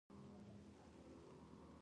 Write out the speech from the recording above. تاریخ هلته خبرې کوي.